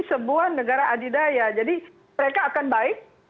sebuah negara adidaya jadi mereka akan baik kalau kita tahu bahwa mereka